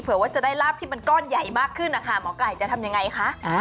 ว่าจะได้ลาบที่มันก้อนใหญ่มากขึ้นนะคะหมอไก่จะทำยังไงคะ